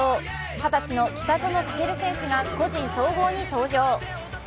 二十歳の北園丈琉選手が個人総合に登場。